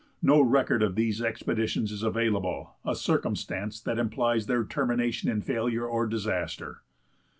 No record of these expeditions is available, a circumstance that implies their termination in failure or disaster.